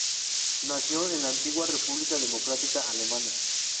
Nació en la antigua República Democrática Alemana.